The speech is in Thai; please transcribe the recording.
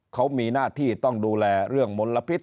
เขามีหน้าที่ต้องดูแลเรื่องมลพิษ